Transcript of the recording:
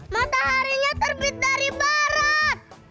mataharinya terbit dari barat